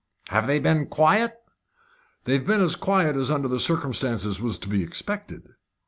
"Have they been quiet?" "They've been as quiet as under the circumstance was to be expected."